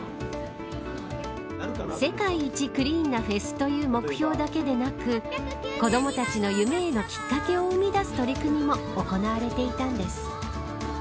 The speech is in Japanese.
世界一クリーンなフェスという目標だけでなく子どもたちの夢へのきっかけを生み出す取り組みも行われていたんです。